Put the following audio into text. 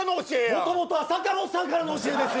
もともとは坂本さんからの教えです。